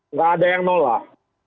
nggak ada yang nolak